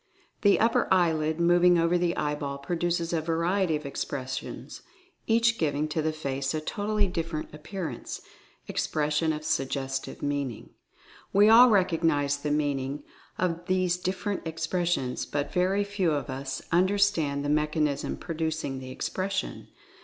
The upper eye lid moving over the eyeball produces a variety of ex pressions, each giving to the face a totally different appearance, expression of suggestive meaning. We all recognize the meaning of these different expres sions, but very few of us understand the mechanism producing the expression.